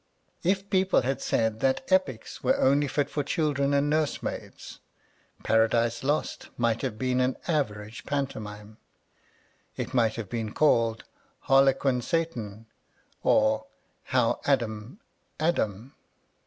If people had said that epics were only fit for children and nurse maids, " Paradise Lost" might have been A Defence of Farce an average pantomime : it might have been called " Harlequin Satan, or How Adam 'Ad 'Em."